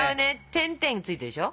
点々付いてるでしょ？